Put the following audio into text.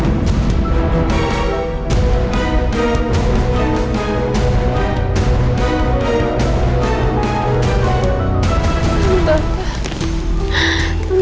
jangan bertanya semuanya